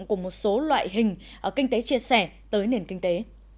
của một số loại hình kinh tế chia sẻ tới nền kinh tế